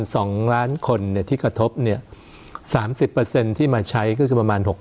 สนับสนุนโดยพี่โพเพี่ยวสะอาดใสไร้คราบ